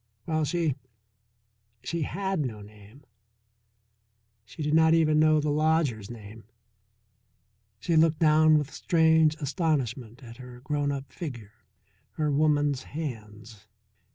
While she she had no name, she did not even know the lodger's name. She looked down with strange astonishment at her grown up figure, her woman's hands.